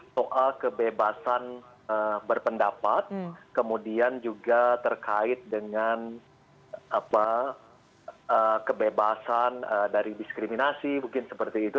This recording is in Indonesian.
soal kebebasan berpendapat kemudian juga terkait dengan kebebasan dari diskriminasi mungkin seperti itu